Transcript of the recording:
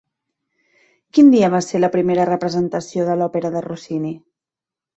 Quin dia va ser la primera representació de l'òpera de Rossini?